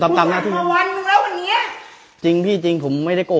แต่ถ้าตัวจ่ายเงินสดแล้วนักแม่งรอถึงเที่ยงมายังรอ